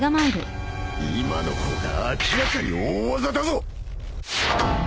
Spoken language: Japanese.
今の方が明らかに大技だぞ！